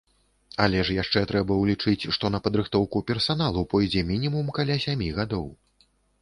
Але ж яшчэ трэба ўлічыць, што на падрыхтоўку персаналу пойдзе мінімум каля сямі гадоў.